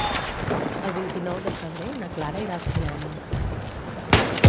El vint-i-nou de febrer na Clara irà al cinema.